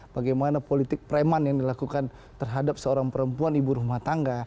bagaimana politik preman yang dilakukan terhadap seorang perempuan ibu rumah tangga